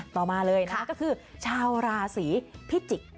ต่อมาเลยนะคะก็คือชาวราศีพิจิกษ์